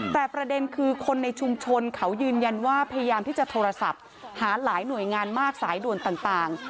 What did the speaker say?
แต่ประเด็นคือคนในชุมชนเขายืนยันว่าพยายามที่จะโทรศัพท์หาหลายหน่วยงานมากสายด่วนต่าง